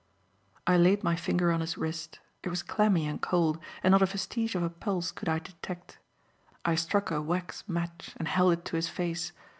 I laid my finger on his wrist. It was clammy and cold, and not a vestige of a pulse could I detect. I struck a wax match and held it to his face.